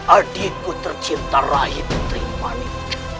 adikku tercinta rai putri manik